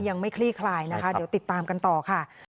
คลี่คลายนะคะเดี๋ยวติดตามกันต่อค่ะ